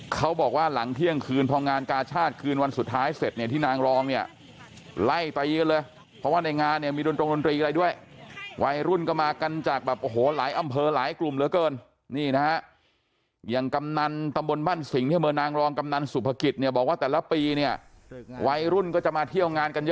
เขาบอกว่าหลังเที่ยงคืนพรองานกาฌชาติกินวันสุดท้ายเสร็จเนี่ยพี่นางรองนี่